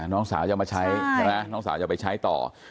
น้องสาวจะมาใช้ใช่ไหมน้องสาวจะไปใช้ต่อ